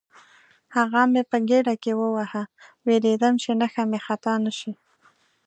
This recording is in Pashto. هغه مې په ګېډه کې وواهه، وېرېدم چې نښه مې خطا نه شي.